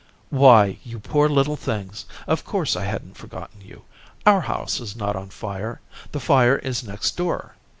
"Why, you poor little things. Of course, I hadn't forgotten you. Our house is not on fire. The fire is next door.